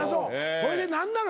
ほいで何なの？